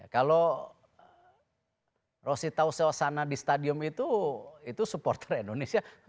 kalau rosita ososana di stadium itu itu supporter indonesia